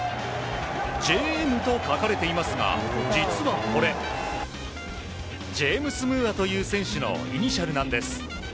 「Ｊ・Ｍ」と書かれていますが実はこれジェームス・ムーアという選手のイニシャルなんです。